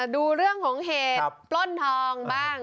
ดูเรื่องของเหตุปล้นทองบ้าง